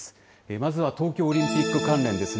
まずは東京オリンピック関連ですね。